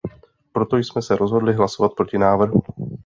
Proto jsme se rozhodli hlasovat proti návrhu.